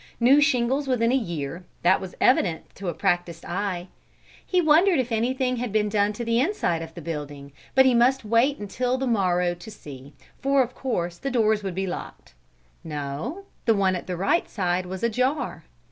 New shingles within a year: that was evident to a practised eye. He wondered if anything had been done to the inside of the building, but he must wait until the morrow to see, for, of course, the doors would be locked. No; the one at the right side was ajar.